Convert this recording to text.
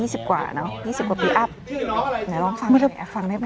สิบกว่าเนอะยี่สิบกว่าปีอัพไหนลองฟังแอบฟังได้ไหม